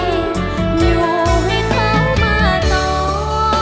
ยอมให้เขามาต้อง